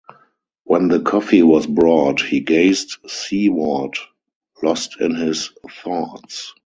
When the coffee was brought, he gazed seaward, lost in his thoughts.